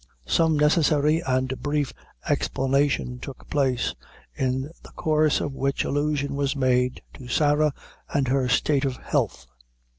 Some necessary and brief explanation took place, in the course of which allusion was made to Sarah and her state of health.